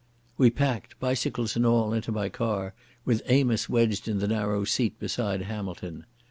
We packed, bicycles and all, into my car with Amos wedged in the narrow seat beside Hamilton.